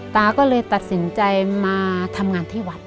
ตาก็เลยตัดสินใจมาทำงานที่วัด